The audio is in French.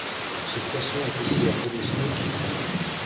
Ce poisson est aussi appelé Snook.